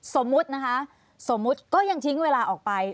สมมุตินะคะสมมุติก็ยังทิ้งเวลาออกไป